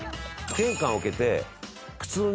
玄関を開けて。